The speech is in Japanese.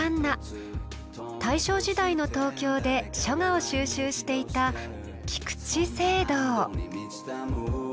大正時代の東京で書画を収集していた菊池惺堂。